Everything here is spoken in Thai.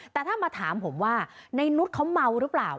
แต่ถ้ามาถามผมว่าในนุษย์เขาเมาหรือเปล่า